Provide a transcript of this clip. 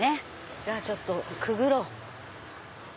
じゃあちょっとくぐろう。